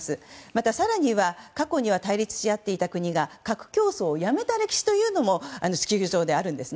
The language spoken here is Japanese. また、更には過去には対立しあっていた国が核競争をやめた歴史というのも地球上ではあるんです。